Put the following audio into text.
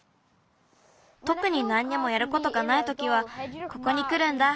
とくになんにもやることがないときはここにくるんだ。